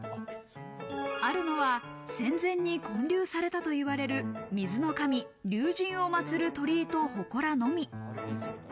あるのは、戦前に建立されたといわれる水の神・龍神を祭る鳥居と祠のみ。